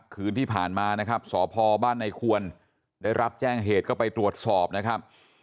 คืนที่ผ่านมานะครับสพบ้านในควรได้รับแจ้งเหตุก็ไปตรวจสอบนะครับ